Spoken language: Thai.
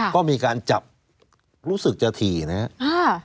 ก็มีการจับรู้สึกจะถี่นะฮะถี่มากนะฮะ